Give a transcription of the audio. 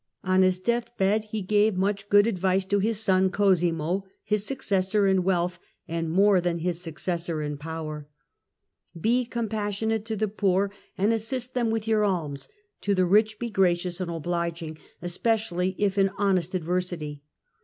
On his deathbed he gave much good advice to his son Cosimo, his suc cessor in wealth, and more than his successor in power. "Be compassionate to the poor and assist them with 200 THE END OF THE MIDDLE AGE your alms ; to the rich be gracious and obHging, especi ally if in honest adversity.